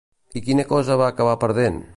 I quina cosa va acabar perdent?